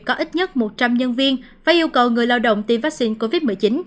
có ít nhất một trăm linh nhân viên phải yêu cầu người lao động tiêm vaccine covid một mươi chín